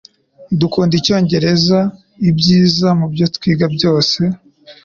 Dukunda Icyongereza ibyiza mubyo twiga byose.